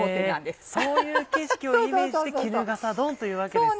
そういう景色をイメージして衣笠丼というわけですね。